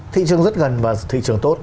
thị trường rất gần và thị trường tốt